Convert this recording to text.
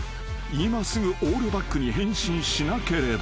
［今すぐオールバックに変身しなければ］